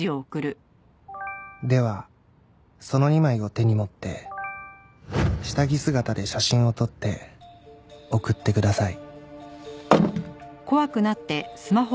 「ではその２枚を手に持って」「下着姿で写真を撮って送ってください」